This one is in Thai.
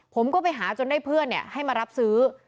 ผมก็ไปหาจนได้เพื่อนให้มารับซื้อ